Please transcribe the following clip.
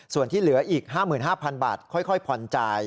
ส่วนที่เหลืออีก๕๕๐๐บาทค่อยผ่อนจ่าย